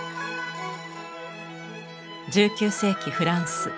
１９世紀フランス。